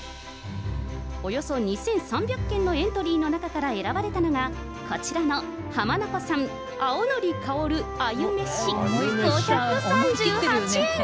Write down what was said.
およそ２３００件のエントリーの中から選ばれたのが、こちらの浜名湖産青のり香る鮎